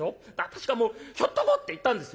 私がもう『ひょっとこ！』って言ったんですよ。